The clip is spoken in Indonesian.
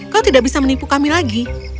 kau tidak bisa menipu kami lagi